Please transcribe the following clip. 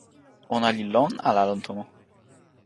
ona li lon ala lon tomo?